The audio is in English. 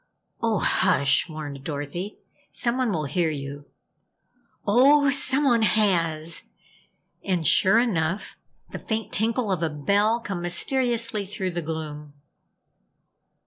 "Oh, hush," warned Dorothy. "Someone will hear you! Ooooh! Someone has!" And sure enough, the faint tinkle of a bell come mysteriously through the gloom.